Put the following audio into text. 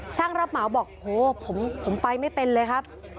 ช่างรับเหมาบอกโหผมไปไม่เป็นเลยครับ